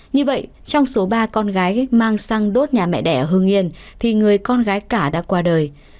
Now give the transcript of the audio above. như vậy trong số ba con gái mang sang đốt nhà mẹ đẻ ở hương yên thì người con gái cả đã qua đời